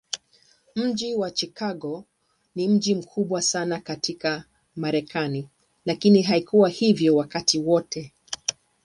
Mji wa Chicago ni mji mkubwa sana katika Marekani, lakini haikuwa hivyo wakati wote.